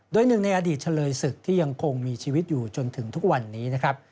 โดยหนึ่งในอดีตเฉลยศึกที่ยังคงมีชีวิตอยู่จนถึงทุกวันนี้นะครับ